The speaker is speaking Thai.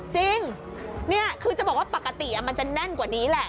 จริงนี่คือจะบอกว่าปกติมันจะแน่นกว่านี้แหละ